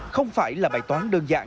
không phải là bài toán đơn giản